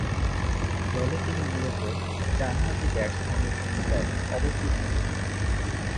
দলে তিনি মূলতঃ ডানহাতি ব্যাটসম্যানের ভূমিকায় অবতীর্ণ হতেন।